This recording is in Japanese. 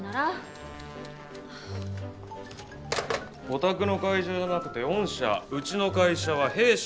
お宅の会社じゃなくて「御社」うちの会社は「弊社」。